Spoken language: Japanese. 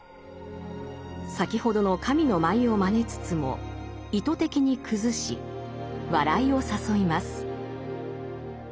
先ほどの神の舞をまねつつも意図的に崩し笑いを誘います。